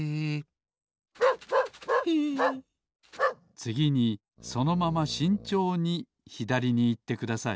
つぎにそのまましんちょうにひだりにいってください